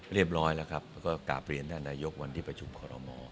เรียบร้อยแล้วครับแล้วก็กราบเรียนท่านนายกวันที่ประชุมคอรมอ